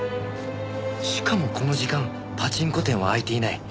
しかもこの時間パチンコ店は開いていない